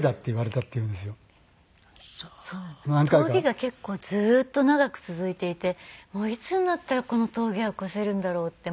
峠が結構ずっと長く続いていてもういつになったらこの峠は越せるんだろうって。